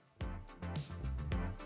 pendeta yang ditemui